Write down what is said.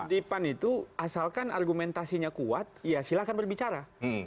jadi memang di pan itu asalkan argumentasinya kuat ya silahkan berbicara